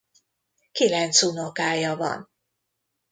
Kilenc unokája van.